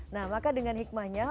nah maka dengan hikmahnya